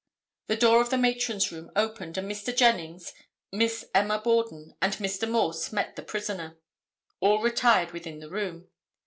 The door of the matron's room opened and Mr. Jennings, Miss Emma Borden and Mr. Morse met the prisoner. All retired within the room.